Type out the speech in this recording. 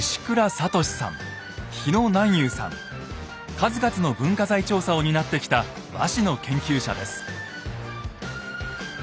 数々の文化財調査を担ってきた和紙の研究者です。